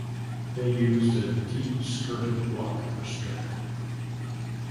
They used a deep skirted block for strength.